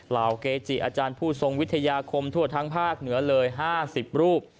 เหล่าเกจิอาจารย์ผู้ทรงวิทยาคมทั่วทั้งภาคเหนือเลย๕๐รูป